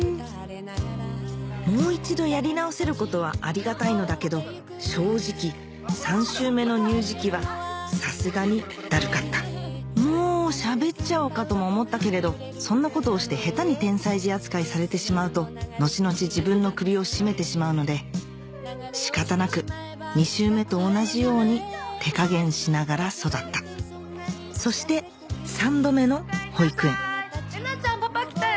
もう一度やり直せることはありがたいのだけど正直３周目の乳児期はさすがにだるかったもう喋っちゃおうかとも思ったけれどそんなことをして下手に天才児扱いされてしまうと後々自分の首を絞めてしまうので仕方なく２周目と同じように手加減しながら育ったそして３度目の保育園玲奈ちゃんパパ来たよ。